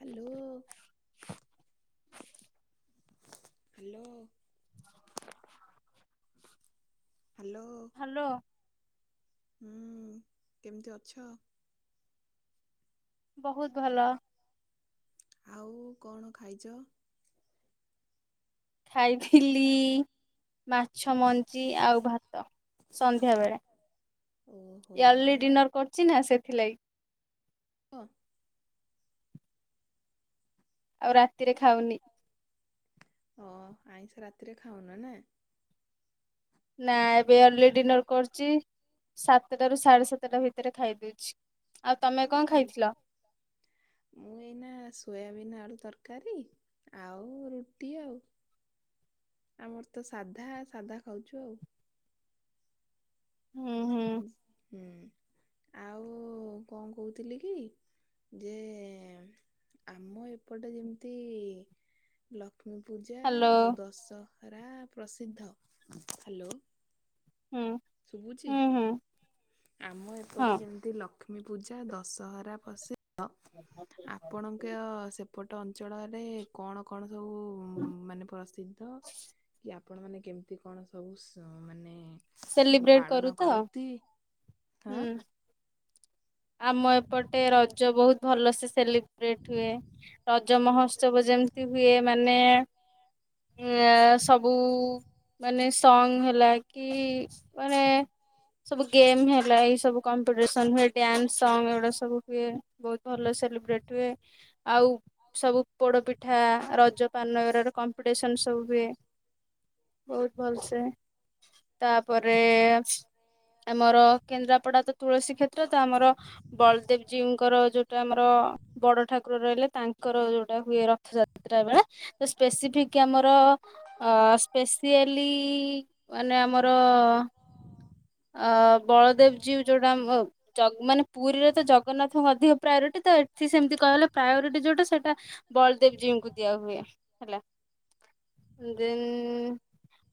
Hello. Hello. Hello. Hello. ହୁଁ କେମିତି ଅଛ? ବହୁତ ଭଲ। ଆଉ କଣ ଖାଇଛ? ଖାଇ ଥିଲା ମାଛ ମଞ୍ଜି ଆଉ ଭାତ ସନ୍ଧ୍ୟା ବେଳେ। ଓହୋ ବଢଆ। ଚିନା ସେଥିଲାଗି। ହ। ଆଉ ରାତିରେ ଖାଉନି। ଓ ଆଇଁଷ ରାତିରେ ଖାଉନ ନା। ନା ଏବେ ଅର୍ଲି ଡିନର କରୁଛି ସାତଟା ରୁ ସାଢେ ସାତଟା ଭିତରେ ଖାଇଦଉଛି। ଆଉ ତମେ ହଁ କଣ ଭଲ ଖାଇଥିଲ? ମୁଁ ଏଇନା ସୋୟାବିନ୍ ଆଡୁ ତରକାରୀ' ଆଉ ରୁଟି ଆଉ ଆମର ତ ସାଧା ସାଧା ଖାଉଚୁ ଆଉ। ହୁଁ ହୁଁ। ହୁଁ ଆଉ କଣ କହୁଥିଲି କି? ଯେ ଆମ ଏପଟେ ଯେମିତି ଲକ୍ଷ୍ମୀ ପୂଜା ହ୍ୟାଲୋ ଆଉ ଦଶହରା ପ୍ରସିଦ୍ଧ ହ୍ୟାଲୋ। ହୁଁ ଶୁଭୁଛି? ହୁଁ ହୁଁ। ଆମ ଏପଟେ ହଁ ଯେମିତି ଲକ୍ଷ୍ମୀ ପୂଜା ଦଶହରା ପ୍ରସିଦ୍ଧ। [unintelligible] ଆପଣଙ୍କ ସେପଟ ଅଞ୍ଚଳରେ କଣ କଣ ସବୁ ମାନେ ପ୍ରସିଦ୍ଧ କି ଆ ଆପଣମାନେ କେମିତି କଣ ସବୁ ମାନେ ସେଲିବ୍ରେଟ କରୁ ପାଳନ ତ କରନ୍ତି? ହଁ ହୁଁ। ଆମ ଏପଟେ ରଜ ବହୁତ ଭଲ ସେ ସେଲିବ୍ରେଟ ହୁଏ ରଜ ମହୋତ୍ସ ଉତ୍ସବ ଯେମିତି ହୁଏ ମାନେ ଉ ସବୁ ମାନେ ସଙ୍ଗ ହେଲା କି ମାନେ ସବୁ ଗେମ୍ ହେଲା ଏଇ ସବୁ କମ୍ପିଟିସନ ହୁଏ ଡ୍ୟାନ୍ସ ସଙ୍ଗ ଏଗୁଡା ସବୁ ହୁଏ। ବହୁତ ଭଲ ସେଲିବ୍ରେଟ ହୁଏ। ଆଉ ସବୁ ପୋଡ ପିଠା ରଜ ପାନ ର କମ୍ପିଟିସନ୍ ସବୁ ହୁଏ ବହୁତ ଭଲସେ। ତାପରେ ଆମର କେନ୍ଦ୍ରାପଡା ତ ତୁଳସୀ କ୍ଷେତ୍ର ତ ଆମର ବଳଦେବ ଜୀଙ୍କର ଯୋଉଟା ଆମର ବଡ ଠାକୁର ରହିଲେ ତାଙ୍କର ଯୋଉଟା ହୁଏ ରଥଯା [unintelligible] ତ ସ୍ପେସିଫିକ ଆମର- ଅ ସ୍ପେସିଆଲି ମାନେ ଆମର ହଁ। ଅ ବଳଦେବ ଜୀଉ ଯୋଉଟା ମ ଯ ମାନେ ପୁରୀରେ ତ ଜଗନ୍ନାଥଙ୍କୁ ଅଧିକ ପ୍ରାୟୋରିଟି ତ ଏଠି ସେମିତି କହଗଲେ ପ୍ରାୟୋରିଟି ଯୋଉଟା ସେଇଟା ବଳଦେବ ଜୀଉ ଙ୍କୁ ଦିଆହୁୁଏ ହେଲା। ଦେନ୍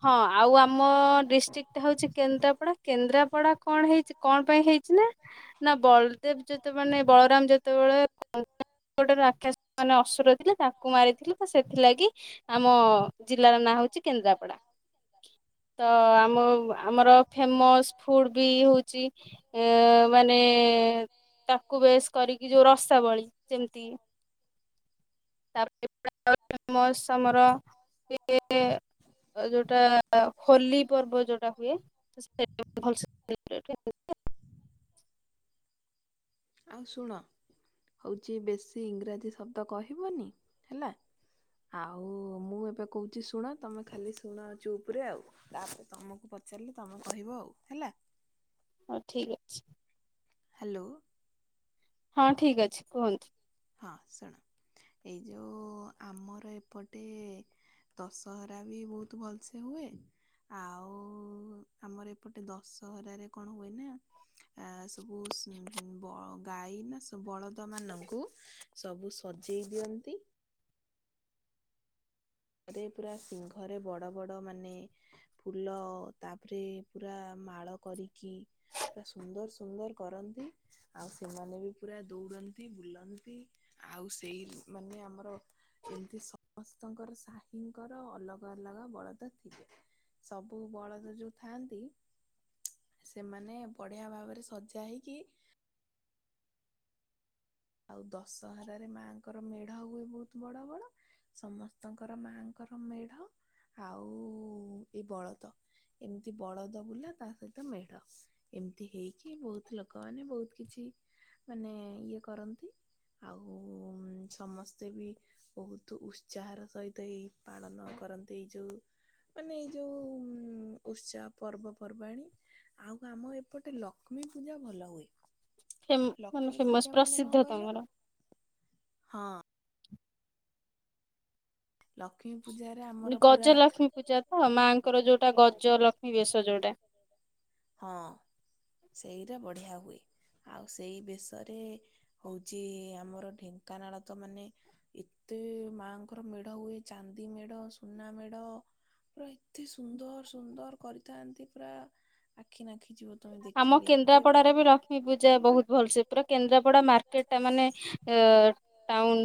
ହଁ ଆଉ ଆମ ଡିଷ୍ଟ୍ରିକ- ଟା ହଉଛି କେନ୍ଦ୍ରାପଡା କେନ୍ଦ୍ରାପଡା କଣ ହେଇଛି କଣ ପାଇଁ ହେଇଛି ନା? ନା ବଳଦେବ ଯେତେ ମାନେ ବଳରାମ ଯେତେବେଳେ [inaudible] ଗୋଟେ ରାକ୍ଷସ ମାନେ ଅସୁର ଥିଲେ ତାଙ୍କୁ ମାରିଥିଲେ ତ ସେଥିଲାଗି ଆମ ଜିଲ୍ଲାର ନାଁ ହଉଛି କେନ୍ଦ୍ରାପଡା। [inaudible] ତ ଆମ ଆମର ଫେମସ୍ ଫୁଡ଼୍ କି ଇଏ ହୋଉଚି ଉଁ ମାନେ ତାକୁ ବେସ୍ କରିକି ଯୋଉ ରସାବଳୀ ଯେମିତି ତା [unintelligible] କ ଯୋଉଟା ହୋଲି ପର୍ବ ଯୋଉଟା ହୁଏ। ତ ଭଲ ସେ [unintelligible] [inaudible] ଆଉ ଶୁଣ ହଉଛି ବେଶୀ ଇଂରାଜୀ ଶବ୍ଦ କହିବନି ହେଲା। ଆଉ ମୁଁ ଏବେ କହୁଛି ଶୁଣ ତମେ ଖାଲି ଶୁଣା ଅଛୁ ଉପରେ ଆଉ। ତାପରେ ତମକୁ ପଚାରିଲି ତମେ କହିବ ଆଉ ହେଲା। ହଉ ଠିକ୍ ଅଛି। ହ୍ୟାଲୋ। ହଁ ଠିକ ଅଛି କୁହନ୍ତୁ। ହଁ ଶୁଣ ଏଇ ଯୋଉ ଆମର ଏପଟେ ଦଶହରା ବି ବହୁତ ଭଲସେ ହୁଏ। ଆଉ ଆମର ଏପଟେ ଦଶହରାରେ କଣ ହୁଏ ନା ଆ ସୂବୁ ସୂ ଉ ବ ଗାଈ ନା ସ ବଳଦ ଦ ମାନଙ୍କୁ ସବୁ ସଜେଇ ଦିଅନ୍ତି। ଘରେ ପୁରା ସିଂଘରେ ବଡ ବଡ ମାନେ ଫୁଲ ତାପରେ ପୁରା ମାଳ କରିକି ପୁରା ସୁନ୍ଦର ସୁନ୍ଦର କରନ୍ତି। ଆଉ ସେମାନେ ବି ପୁରା ଦୌଡନ୍ତି ବୁଲନ୍ତି ଆଉ ସେଇ ମାନେ ଆମର ଏମିତି ସମସ୍ତଙ୍କର ସାହିଙ୍କର ଅଲଗା ଅଲଗା ବଳଦ ଥିଲେ। ସବୁ ବଳଦ ଯୋଉ ଥାଆନ୍ତି। ସେମାନେ ବଢିଆ ଭାବରେ ସଜା ହେଇକି ଆଉ ଦଶହରାରେ ମାଆଙ୍କର ମେଢ ହୁଏ ବହୁତ ବଡ ବଡ। ସମସ୍ତଙ୍କର ମାଆଙ୍କର ମେଢ ଆଉ ଏଇ ବଳଦ। ଏମିତି ବଳଦ ବୁଲା ତା ସହିତ ମେଢ। ଏମିତି ହେଇକି ବହୁତ ଲୋକମାନେ ବହୁତ କିଛି ମାନେ ଇଏ କର ଆଉ ସମସ୍ତେ ବି ବହୁତ ଉତ୍ସାହର ସହିତ ଏଇ ପାଳନ କରନ୍ତି ଏଇ ଯୋଉ ମାନେ ଏଇ ଯୋଉ ଉତ୍ସାହ ପର୍ବପର୍ବାଣୀ। ଆଉ ଆମ ଏପଟେ ଲକ୍ଷ୍ମୀ ପୂଜା ଭଲ ହୁଏ। ଫେମ ମାନେ ଲକ୍ଷ୍ମୀ ଫେମସ ପୂଜା ମାନେ କଂ ପ୍ରସିଦ୍ଧ କହିଲ ତମର। ହଁ। ଲକ୍ଷ୍ମୀ ପୂଜାରେ ଆମର ପୁରା ଗଜଲକ୍ଷ୍ମୀ ପୂଜା ତ ମାଙ୍କର ଯୋଉଟା ଗଜ ଲକ୍ଷ୍ମୀ ବେଶ ଯୋଉଟା। ହଁ ସେଇରା ବଢିଆ ହୁଏ ଆଉ ସେଇ ବେଶରେ ହଉଛି ଆମର ଢେଙ୍କାନାଳ ତ ମାନେ ଏତେ ମାଙ୍କର ମେଢ ମେଢ ହୁଏ ଚାନ୍ଦି ମେଢ ସୁନା ମେଢ। ପୁରା ଏତେ ସୁନ୍ଦର ସୁନ୍ଦର କରିଥାନ୍ତି ପୁରା ଆଖି ନାଖି ଯିବ। ତମେ ଆମ ଦେଖିଲେ ଏତେ କେନ୍ଦ୍ରାପଡାରେ ବି ଲକ୍ଷ୍ମୀ ପୂଜା ବହୁତ ଭଲସେ ପୁରା କେନ୍ଦ୍ରାପଡା ମାର୍କେଟ ଟା ମାନେ ଏ - ଟାଉନ୍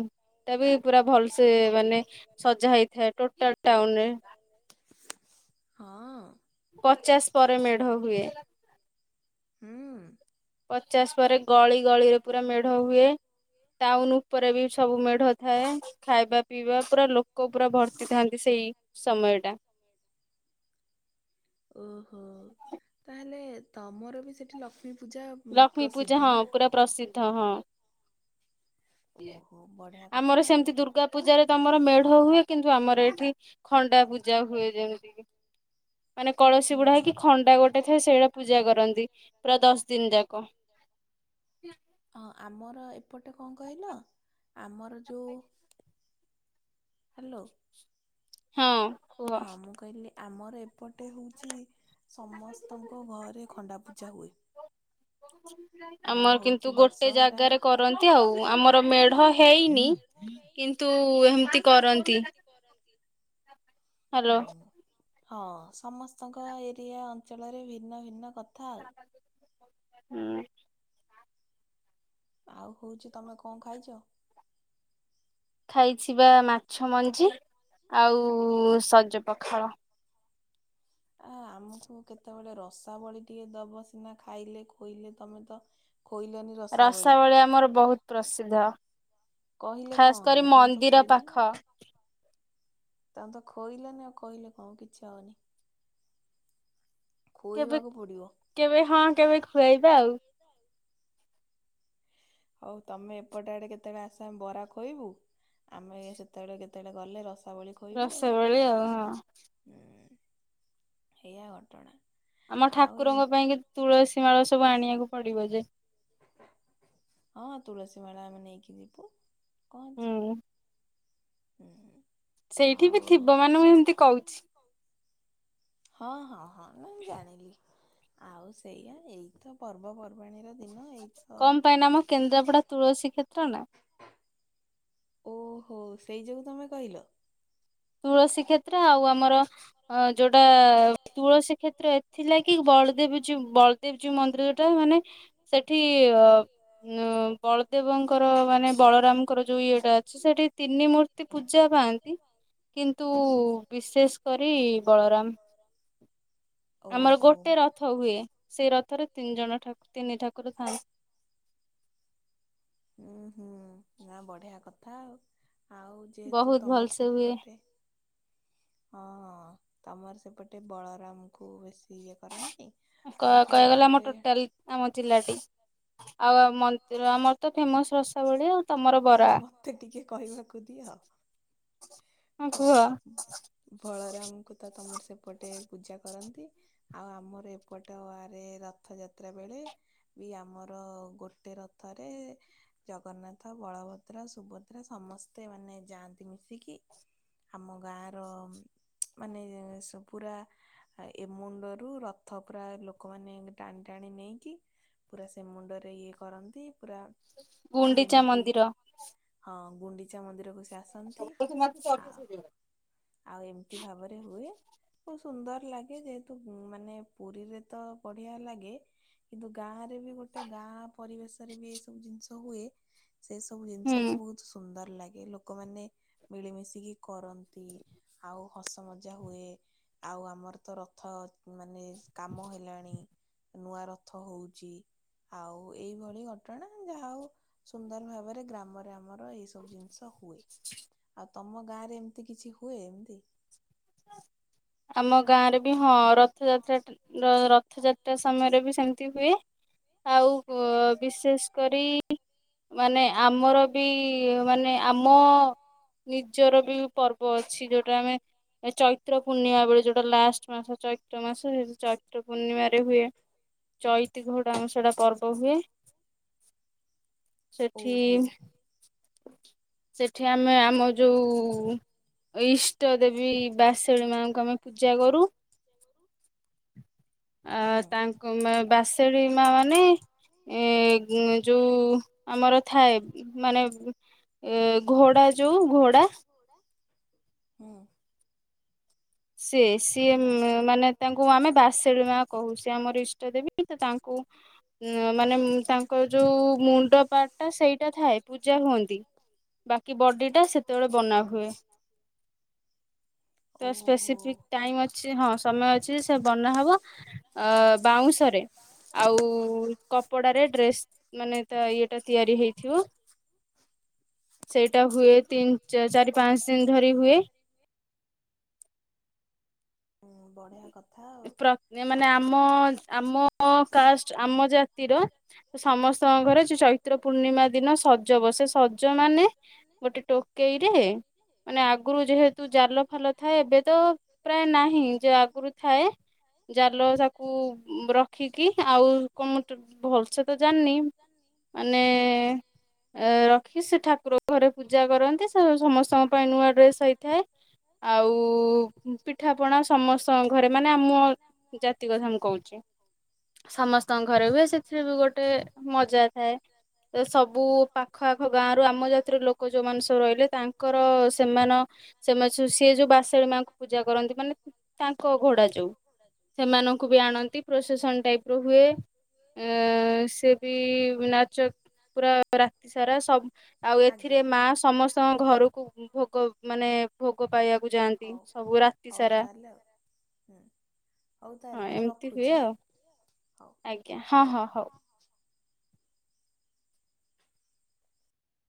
ଟା ବି ପୁରା ଭଲସେ ମାନେ ସଜା ହେଇଥାଏ ଟୋଟାଲ ଟାଉନ ରେ। ହଁ। ପଚାଶ ପରେ ମେଢ ହୁଏ। ହୁଁ। ପଚାଶ ପରେ ଗଳି ଗଳିରେ ପୁରା ମେଢ ହୁଏ ଟାଉନ ଉପରେ ବି ସବୁ ମେଢ ଥାଏ ଖାଇବା ପିଇବା ପୁରା ଲୋକ ପୁରା ଭର୍ତ୍ତି ଥାନ୍ତି ସେଇ ସମୟ ଟା। ଓହୋ ତାହେଲେ ତମର ବି ସେଠି ଲ ଲକ୍ଷ୍ମୀ ପୂଜା ଉ ଲକ୍ଷ୍ମୀ ପୂଜା ପ୍ରସିଦ୍ଧ ହଁ ନା। ପୁରା ପ୍ରସିଦ୍ଧ ହଁ ଓହୋ ବଢିଆ କଥା ଆମର ଆଉ ସେମିତି ଦୁର୍ଗା ପୂଜାରେ ତମର ମେଢ ହୁଏ କିନ୍ତୁ ଆମର ଏଠି ଖଣ୍ଡା ପୂଜା ହୁଏ ଯେମିତି କିି ମାନେ କଳସୀ ହୁଁ। ବୁଡା ହେଇକି ଖଣ୍ଡା ଗୋଟେ ଥାଏ ସେଇଡା ପୂଜା କରନ୍ତି ପୁରା ଦଶ ଦିନ ପୁରା ଯାକ ଦସ୍ ଦିନି ଯା ହଁ ଆମର ଏପଟେ କଣ କହିଲ ଆମର ଯୋଉ ହାଲୋ। ହଁ କୁହ। ହଁ ମୁଁ କହିଲି। ଆମର ଏପଟେ ହଉଚି ସମସ୍ତଙ୍କ ଘରେ ଖଣ୍ଡାପୂଜା ହୁଏ। [inaudible] ଆଁ ଆମର ହଉଛି କିନ୍ତୁ ଗୋଟେ ଦଶହରା ଜାଗାରେ କରନ୍ତି ଆଉ ଆମର ମେଢ ହେଇନି କିନ୍ତୁ ହେଏମିତି କରନ୍ତି। ହ୍ୟାଲୋ। ହଁ। ହଁ ସମସ୍ତଙ୍କ ଏରିଆ ଅଞ୍ଚଳରେ ଭିନ୍ନ ଭିନ୍ନ କଥା ଆଉ। ହୁଁ। ଆଉ ହଉଛି ତମେ କଣ ଖାଇଛ? ଖାଇଛି ବା ମାଛ ମଞ୍ଜି ଆଉ ଓହୋ। ସଜ ପଖାଳ। ଆ ଆମକୁ କେତେବେଳେ ରସାବଳି ଟିକେ ଦବ ସିନା ଖାଇଲେ ଖୋଇଲେ ତମେ ତ ଖୋଇଲନି। ରସାବଳି ଆମର ବହୁତ ପ୍ରସିଦ୍ଧ। କହିଲେ ଖାସ୍ କଣ କରି ହବ? ତମେ ତ ମନ୍ଦିର ପାଖ ଖୋଇଲନି। ତାଙ୍କୁ ତ ଖୋଇଲେନି ଆଉ କହିଲେ କଣ କିଛି ଆଉନି? କେବେ ଖୁଇବାକୁ ପଡିବ। କେବେ ହଁ କେବେ ଖୁଆଇବା ଆଉ। ହଉ ତମେ ଏପଟେ ଆଡେ କେତେବେଳେ ଆସ ଆମେ ବରା ଖୋଇବୁ। ଆମେ ସେତେବେଳେ କେତେବେଳେ ଗଲେ ରସାବଳି ଧୋଇବୁ ଆଉ ରସାବଳି ଆଉ ହଁ ହୁଁ ଏଇଆ ଘଟଣା। ଆମ ଆଉ ଏମ ଠାକୁରଙ୍କ ପାଇଁ କି ତୁଳସୀ ମାଳ ସବୁ ଆଣିବାକୁ ପଡିବ ଯେ। ହଁ ତୁଳସୀ ମାଳା ଆମେ ନେଇକି ଯିବୁ କଣ, ହୁଁ ଅଛି। ହୁଁଁ। ସେଇଠି ବି ଥିବ ମାନେ ମୁଁ ହେମତି କହୁଚି। ହଁ ହଁ ହଁ ନାଇଁ ମୁଁ ଜାଣିଲି। ଆଉ ସେଇଆ ଏଇତ ପର୍ବପର୍ବାଣୀର ଦିନ। ଏଇ କମ ପାଇଁ ନା ଆମ କେନ୍ଦ୍ରାପଡା ତୁଳସୀ କ୍ଷେତ୍ର ନା। ଓହୋ, ସେଇ ଯୋଗୁ ତମେ କହିଲ। ତୁଳସୀ କ୍ଷେ ତ୍ର, ଆଉ ଆମର ଯୋଉଟା ତୁଳସୀ କ୍ଷେତ୍ର ଏଥିଲାଗି ବଳଦେବ ଜୀଉ ବଳ ଦେବଜୀଉ ମନ୍ଦିର ଯୋଉଟା ଟା ମାନେ ସେଠି ବଳଦେବଙ୍କର ମାନେ ବଳରାମ ଙ୍କର ଯୋଉ ଇଏଟା ଅଛି, ସେଠି ତିନି ମୂର୍ତ୍ତି ପୂଜା ପାଆନ୍ତି। କିନ୍ତୁ ବିଶେଷ କରି ବଳରାମ ଆମର ଓହୋ। ଗୋଟେ ରଥ ହୁଏ। ସେଇ ରଥରେ ତିନି ଜଣ ଠାକୁର ତିନି ଠାକୁର ଥାଆନ୍ତି। ଉଁ ହୁଁ। ଆ ବଢିଆ କଥା ଆଉ। ଆଉ ଯେହେତୁ ବହୁତ ତମର ଭଲସେ ହୁଏ ସେପଟେ ହଁ ହଁ। ତମର ସେପଟେ ବଳରାମ ଙ୍କୁ ବେଶୀ ଇଏ କରନ୍ତି? କ ଆମର କହିବାକୁ ଗଲେ ଆମର ଏପଟେ ଟୋଟାଲ୍ ଆମ ଜିଲ୍ଲାଟି। ଆଉ ମନ୍ଦିର ଆମର ତ ଫେମସ୍ ରସାବଳୀ ଆଉ। ତମର ହଉ ବରା ମତେ ଟିକେ କହିବାକୁ ଦିଅ। ହଁ କୁହ ହଉ। ବଳରାମଙ୍କୁ ତ ତମର ସେପଟେ ପୂଜା କରନ୍ତି। ଆଉ ଆମର ଏପଟଆରେ ରଥଯାତ୍ରା ବେଳେ ବି ଆମର ଗୋଟେ ରଥରେ ଜଗନ୍ନାଥ ବଳଭଦ୍ରା, ସୁଭଦ୍ରା ସମସ୍ତେ ମାନେ ଯାଆନ୍ତି ମିଶିକି। ଆମ ଗାଁ ର ମାନେ ସବୁ ରା ଏ ମୁଣ୍ଡରୁ ରଥ ପୁରା ଲୋକମାନେ ଟାଣି ଟାଣି ନେଇକି ପୁରା ସେ ମୁଣ୍ଡରେ ଇଏ କରନ୍ତି। ପୁରା ଗୁଣ୍ଡିଚା ଯେମିତି ମନ୍ଦ୍ ହଁ ଗୁଣ୍ଡିଚା ମନ୍ଦିରକୁ ସେ ଆସନ୍ତି। ଆଉ ଆଉ ଏମତି ଭାବରେ ହୁଏ। ବହୁତ୍ ସୁନ୍ଦର ଲାଗେ। ଯେହେତୁ ମାନେ ପୁରୀରେ ତ ବଢିଆ ଲାଗେ। କିନ୍ତୁ, ଗାଁ ରେ ବି ଗୋଟେ ଗାଁ ପରିବେଶ ରେ ବି ଏଇ ସବୁ ଜିନିଷ ହୁଏ। ସେ ସବୁ ହୁଁ ଜିନିଷ ବି ବହୁତ୍ ସୁନ୍ଦର ଲାଗେ। ଲୋକମାନେ ମିଳିମିଶିକି କରନ୍ତି, ଆଉ ହସ ମଜା ହୁଏ। ଆଉ ଆମର ତ ରଥ ମାନେ କାମ ହେଲାଣି। ନୂଆ ରଥ ହଉଚି। ଆଉ ଏଇଭଳି ଘଟଣା। ଯାହା ହଉ ସୁନ୍ଦର ଭାବରେ ଗ୍ରାମରେ ଆମର ଏଇ ସବୁ ଜିନିଷ ହୁଏ। ଆଉ ତମ ଗାଁ ରେ ଏମିତି କିଛି ହୁଏ, ଏମତି? ଆମ ଗାଁ ରେ ବି ହଁ ରଥଯାତ୍ରା ଟା ର ରଥଯାତ୍ରା ସମୟରେ ବି ସେମତି ହୁଏ। ଆଉ ବିଶେଷ କରି ମାନେ ଆମର ବି ମାନେ ଆମ ନିଜର ବି ପର୍ବ ଅଛି, ଯୋଉଟା ଆମେ ଚୈତ୍ର ପୂର୍ଣ୍ଣିମା ବେଳେ ଯୋଉଟା ଲାଷ୍ଟ ମାସ ଚୈତ୍ର ମାସ, ହେ ଚୈତ୍ର ପୂର୍ଣ୍ଣିମାରେ ହୁଏ। ଚଇତି ଘୋଡା ଆମର ସେଟା ପର୍ବ ହୁଏ। [inaudible] ସେଠି ଓହୋ ସେଠି ଆମେ ଆମ ଯୋଉ ଇଷ୍ଟଦେବୀ ବା [unintelligible] ଙ୍କୁ ଆମେ ପୂଜା କରୁ। [inaudible] ଆ ତାଙ୍କ ମା ବାସେଡି ମା ମାନେ। ଏ ଯୋଉ ଆମର ଥାଏ ମାନେ ଏ ଘୋଡା-ଯୋଉ ଘୋଡା। ହୁଁ। ସିଏ-ସିଏ ଘୋଡ଼ା। ମାନେ ତାଙ୍କୁ ଆମେ [unintelligible] ମା କହୁ, ସିଏ ଆମର ଇଷ୍ଟ ଦେବୀ ତ ତାଙ୍କୁ ମାନେ [unintelligible] ତାଙ୍କର ଯୋଉ ମୁଣ୍ଡ ପାର୍ଟ ଟା ସେଇଟା ଥାଏ, ପୂଜା ହୁଅନ୍ତି ବା କି ବଡ଼ିଟା ସେତେବେଳେ ବନାହୁଏ। ହ [inaudible] ସ୍ପେସିଫିକ୍ ଟାଇମ୍ ଅଛି, ହଁ ସମୟ ଅଛି ସେ ବନା ହବ ଅ ବାଉଁଶରେ। ଆଉ କପଡ଼ାରେ ଡ୍ରେସ୍ ମାନେ ତା ଇଏଟା ତିଆରି ହେଇଥିବ। ସେଇଟା ହୁଏ ତିନ୍ ଚାରି ପାଞ୍ଚ ଦିନ୍ ଧରି ହୁଏ। ହୁଁ ବଢିଆ କଥା। ଆଉ ପ୍ର ମାନେ ତମ ଆମ-ଆମ କାଷ୍ଟ ଆମ ଜାତିର ସମସ୍ତଙ୍କ ଘରେ ଚୈତ୍ର ପୂର୍ଣ୍ଣିମା ଦିନ ସଜ ବସେ, ସଜ ମାନେ ଗୋଟେ ଟୋ କେଇରେ ମାନେ ଆଗୁରୁ ଯେହେତୁ ଜାଲ ଫାଲ ଥାଏ, ଏବେ ତ ପ୍ରାୟ ନାହିଁ ଯେ ଆଗରୁ ଥାଏ ଜାଲ ତାକୁ ରଖିକି ଆଉ କଣ [unintelligible] ଭଲସେ ତ ଜାଣି, ମାନେ ର ଖୀ ସେ ଠାକୁର ଘରେ ପୂଜା କରନ୍ତି, ସେ ସମସ୍ତଙ୍କ ପାଇଁ ନୂଆ ଡ୍ରେସ୍ ହେଇଥାଏ। ଆଉ ପିଠାପଣା ସମସ୍ତଙ୍କ ଘରେ ମାନେ ଆମ ଜାତି କଥା ମୁଁ କହୁଚି। ସମସ୍ତଙ୍କ ଘରେ ହୁଏ, ସେଥିରେ ବି ଗୋଟେ ମଜା ଥାଏ ସବୁ ପାଖ ଆଖ ଗାଁରୁ ଆମ ଜାତିର ଲୋକ ଯୋଉମାନେ ସବୁ ରହିଲେ ତାଙ୍କର ସେମାନ ସେମାନେ ସିଏ ଯୋଉ ବାସେଳି ମାଙ୍କୁ ପୂଜା କରନ୍ତି, ମାନେ ତାଙ୍କ ଘୋଡ଼ା ଯୋଉ ସେମାନଙ୍କୁ ବି ଆଣନ୍ତି, ପ୍ରୋସେସନ୍ ଟାଇପ୍ ର ହୁଏ। ଏ ସିଏ ବି ନାଚ ପୁରା ରାତି ସାରା ସବ୍ ଆଉ ଆଜ୍ଞା। ଏଥିରେ ମା ସମସ୍ତଙ୍କ ଘରୁକୁ ଭୋଗ ମାନେ ଭୋଗ ପାଇଆକୁ ଯାଆନ୍ତି ହଉ ସବୁ ରାତି ହଉ ସାରା। ତାହେଲେ ଆଉ ହୁଁ ହଉ ହଁ ତାହେଲେ ମୁଁ ରଖୁଚି ଆଁ ହଉ। ଆ, ହଁ-ହଁ-ହଁ। ହଁଁ [unintelligible]